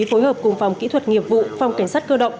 phối hợp cùng phòng kỹ thuật nghiệp vụ phòng cảnh sát cơ động